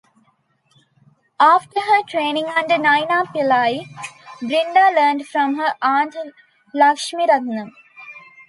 After her training under Naina Pillai, Brinda learnt from her aunt Lakshmiratnam.